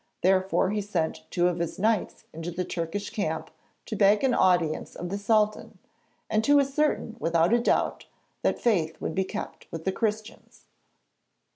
Therefore he sent two of his Knights into the Turkish camp to beg an audience of the Sultan and to ascertain without a doubt that faith would be kept with the Christians.